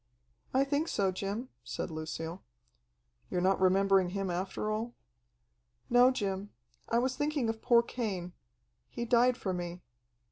"I think so, Jim," said Lucille. "You're not remembering him after all?" "No, Jim. I was thinking of poor Cain. He died for me."